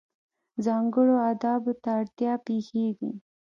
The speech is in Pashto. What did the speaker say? ځانګړو آدابو ته اړتیا پېښېږي.